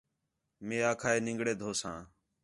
مئے آکھا ہے نِنگڑے دھوساں